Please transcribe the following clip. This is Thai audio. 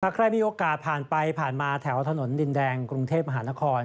ใครมีโอกาสผ่านไปผ่านมาแถวถนนดินแดงกรุงเทพมหานคร